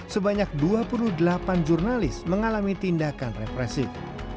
sebanyak dua puluh delapan jurnalis mengalami tindakan represif